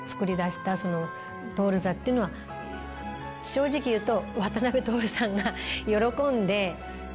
正直言うと。